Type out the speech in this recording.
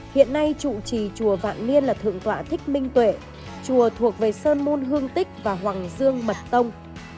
hiện nay trụ trì chùa vạn niên là thượng tọa thích minh tuệ chùa thuộc về sơn môn hương tích và hoàng dương mật tông